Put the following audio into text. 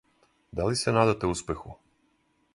Да ли се надате успеху?